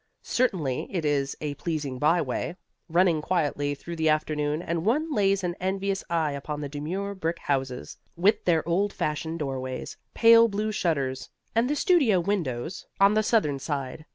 Certainly it is a pleasing byway, running quietly through the afternoon, and one lays an envious eye upon the demure brick houses, with their old fashioned doorways, pale blue shutters, and the studio windows on the southern side.